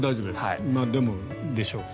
でも、そうでしょう。